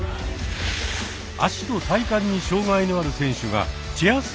足と体幹に障がいのある選手がチェア